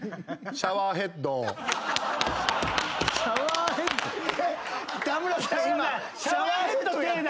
シャワーヘッドに。